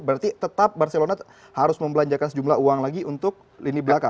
berarti tetap barcelona harus membelanjakan sejumlah uang lagi untuk lini belakang